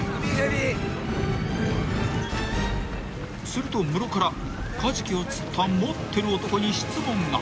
［するとムロからカジキを釣った持ってる男に質問が］